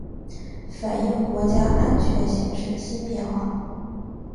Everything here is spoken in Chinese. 反映国家安全形势新变化